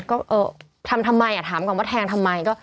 ก็เออทำทำไมถามก่อนว่าแทงทำไม